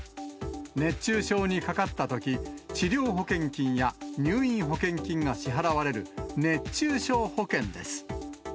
熱中症にかかったとき、治療保険金や入院保険金が支払われる、熱中症保険です。